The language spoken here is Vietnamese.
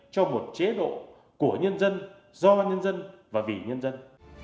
cho một chế độ của nhân dân do nhân dân và vì nhân dân